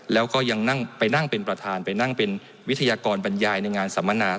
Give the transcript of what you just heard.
แล้วก็ยังนั่งไปนั่งเป็นประธานไปนั่งเป็นวิทยากรบรรยายในงานสัมมนา